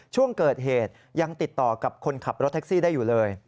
ช่วงเกิดเหตุยังติดต่อกับคนขับรถแท็กซี่ได้อยู่เลย